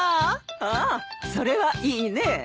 ああそれはいいねえ。